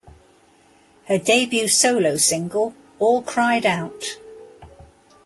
Her debut solo single, All Cried Out!